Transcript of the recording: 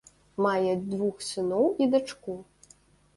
Мае двух сыноў і дачку.